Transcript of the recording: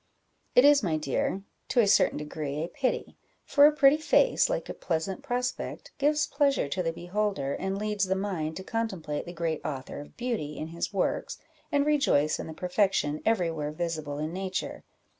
"It is, my dear, to a certain degree a pity; for a pretty face, like a pleasant prospect, gives pleasure to the beholder, and leads the mind to contemplate the great Author of beauty in his works, and rejoice in the perfection every where visible in nature.